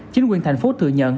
chính quyền thành phố thừa nhận